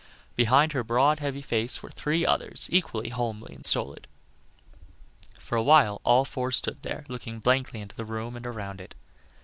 Behind her broad, heavy face were three others, equally homely and stolid; for a while all four stood there, looking blankly into the room and around it.